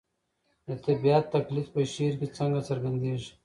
د طبیعت تقلید په شعر کې څنګه څرګندېږي؟